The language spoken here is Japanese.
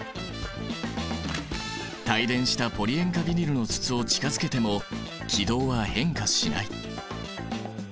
帯電したポリ塩化ビニルの筒を近づけても軌道は変化しない。